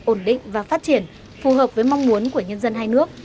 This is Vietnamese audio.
ổn định và phát triển phù hợp với mong muốn của nhân dân hai nước